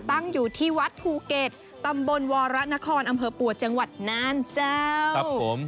ตั้งอยู่ที่วัดภูเก็ตตำบลวรนครอำเภอปัวจังหวัดน่านเจ้าผม